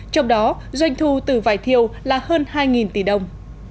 trong đó doanh thu từ vải thiêu là hơn hai tỷ đồng